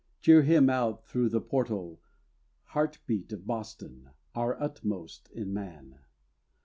Cheer him out through the portal, Heart beat of Boston, our utmost in man!